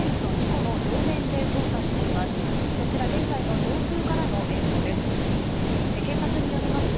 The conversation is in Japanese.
こちら、現在の上空からの映像です。